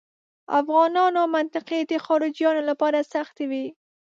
افغانانو منطقې د خارجیانو لپاره سختې وې.